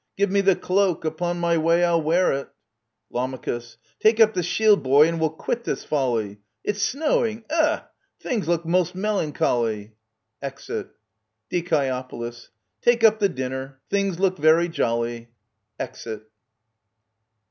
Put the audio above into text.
Give me the cloak ; upon my way I'll wear it ! Lam, Take up the shield, boy, and we'll quit this folly ! It's snowing ! Ugh ! Things look most melancholy ! [Exit. Die. Take up the dinner ; things look very jolly ! [Exit.